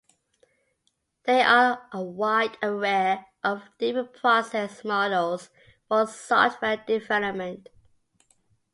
There are a wide array of different process models for software development.